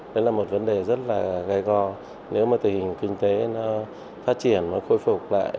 đấy là một vấn đề rất là gây go nếu mà tình hình kinh tế nó phát triển nó khôi phục lại